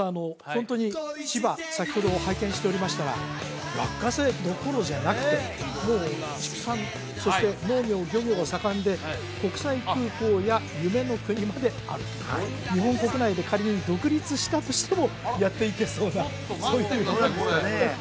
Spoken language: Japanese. ホントに千葉先ほど拝見しておりましたら落花生どころじゃなくてもう畜産そして農業漁業盛んで国際空港や夢の国まであると日本国内で仮に独立したとしてもやっていけそうなちょっと待ってください